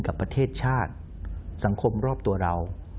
กับประเทศชาติสังคมรอบตัวเรา